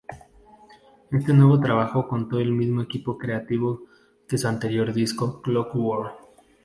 Este nuevo trabajo contó con el mismo equipo creativo de su anterior disco, "Clockwork".